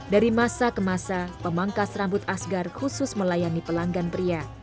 dari masa ke masa pemangkas rambut asgar khusus melayani pelanggan pria